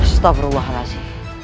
stop berubah razi